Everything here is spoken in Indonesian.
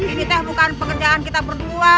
ini teh bukan pekerjaan kita berdua